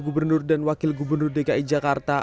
gubernur dan wakil gubernur dki jakarta